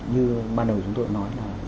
như ban đầu chúng tôi nói là